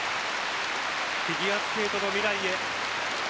フィギュアスケートの未来へ。